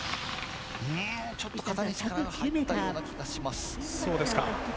ちょっと肩に力が入ったような気がします。